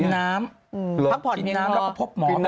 กินน้ำพักผ่อนเมียงน้อ